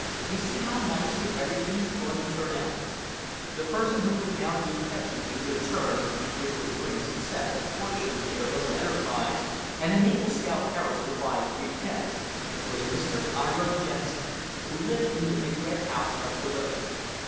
You see how nicely everything was going to work out. The person who would now do Pepsy the good turn which would bring success and fortune to their little enterprise and enable Scout Harris to buy three tents, was Mr. Ira Jensen who lived in the big red house up the road.